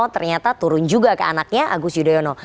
ternyata turun juga ke anaknya agus yudhoyono